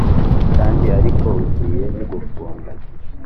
kandi ariko ugiye nkigukunda?